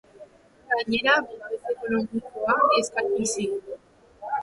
Gainera, babes ekonomikoa eskaini zien.